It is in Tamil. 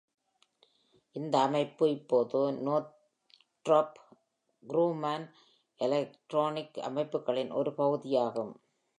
இந்த அமைப்பு இப்போது Northrop Grumman எலக்ட்ரானிக் அமைப்புகளின் ஒரு பகுதியாகும்.